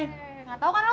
eh ga tau kan lo